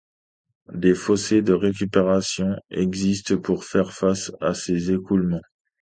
Des fossés de récupération existent pour faire face à ces écoulements.